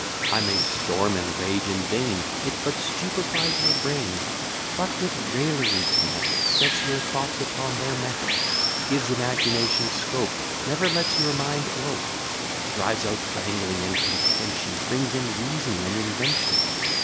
I may storm and rage in vain; It but stupifies your brain. But with raillery to nettle, Sets your thoughts upon their mettle; Gives imagination scope; Never lets your mind elope; Drives out brangling and contention. Brings in reason and invention.